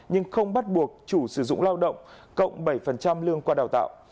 nhưng không bắt buộc chủ sử dụng lao động cộng bảy lương qua đào tạo